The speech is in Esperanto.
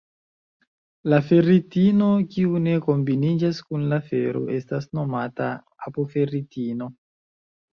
La ferritino kiu ne kombiniĝas kun la fero estas nomata apoferritino.